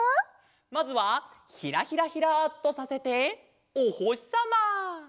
まずはひらひらひらっとさせておほしさま！